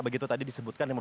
begitu tadi disebutkan